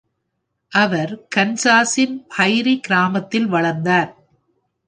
அவர் கன்சாஸின் ப்ரைரி கிராமத்தில் வளர்ந்தார்.